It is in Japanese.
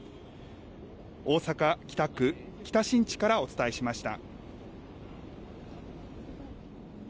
大阪・北区北新地からお伝えしました。